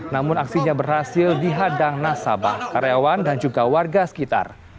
namun aksinya berhasil dihadang nasabah karyawan dan juga warga sekitar